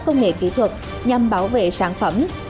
công nghệ kỹ thuật nhằm bảo vệ sản phẩm